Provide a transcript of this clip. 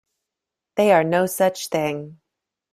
They are no such thing.